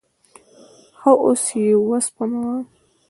ښه، اوس یی وسپموه